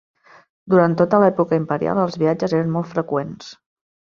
Durant tota l'època imperial els viatges eren molt freqüents.